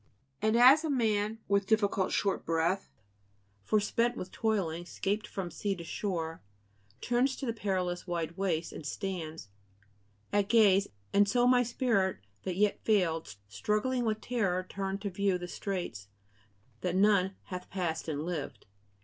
"And as a man with difficult short breath Forespent with toiling, 'scaped from sea to shore, Turns to the perilous wide waste, and stands At gaze; e'en so my spirit that yet fail'd Struggling with terror, turn'd to view the straits That none hath past and lived."